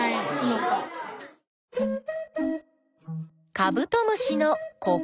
カブトムシのここ。